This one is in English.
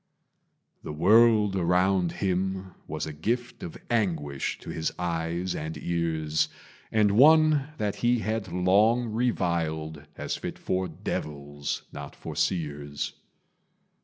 The world around him was a gift Of anguish to his eyes and ears, And one that he had long reviled As fit for devils, not for seers.